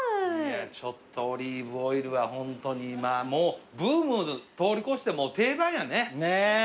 ちょっとオリーブオイルはホントにまぁもうブーム通り越してもう定番やね。